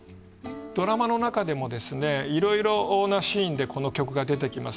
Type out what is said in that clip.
ドラマのなかでもですねいろいろなシーンでこの曲が出てきます。